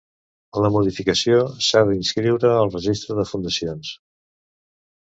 La modificació s'ha d'inscriure al Registre de fundacions.